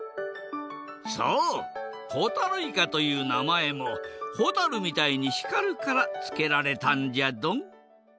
そうほたるいかというなまえもほたるみたいに光るからつけられたんじゃドン。